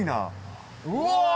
うわ！